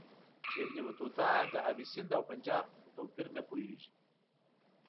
ابن بطوطه د آب سند او پنجاب په توپیر نه پوهیږي.